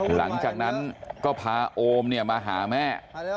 หลังจากนั้นก็พาโอมมาหาแม่